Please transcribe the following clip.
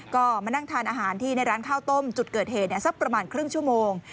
ก็มานั่งทานอาหารที่ในร้านข้าวต้มจุดเกิดเหตุสักประมาณครึ่งชั่วโมง